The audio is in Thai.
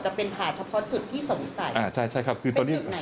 จะเป็นผ่าเฉพาะจุดที่สงสัย